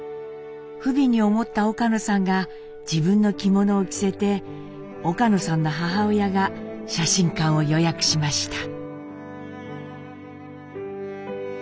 不憫に思った岡野さんが自分の着物を着せて岡野さんの母親が写真館を予約しました。